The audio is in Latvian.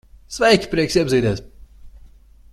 Sveiki, prieks iepazīties.